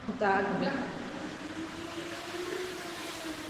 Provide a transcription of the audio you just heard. V časech Sovětského svazu zde fungovalo muzeum dějin náboženství a ateismu.